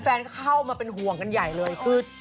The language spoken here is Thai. เพราะเข้ามาเป็นห่วงคนใหญ่เลย